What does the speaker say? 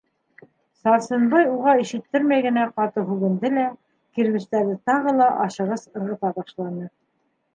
Сарсынбай уға ишеттермәй генә ҡаты һүгенде лә кирбестәрҙе тағы ла ашығыс ырғыта башланы.